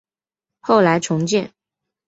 后来重建。